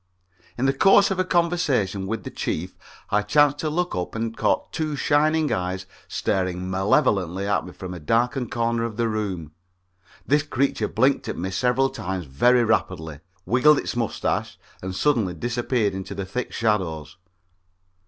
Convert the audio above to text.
In the course of a conversation with the Chief I chanced to look up and caught two shining eyes staring malevolently at me from a darkened corner of the room. This creature blinked at me several times very rapidly, wiggled its mustache and suddenly disappeared into the thick shadows.